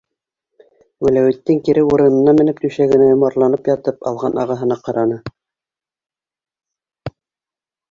Вәләүетдин кире урынына менеп, түшәгенә йомарланып ятып алған ағаһына ҡараны.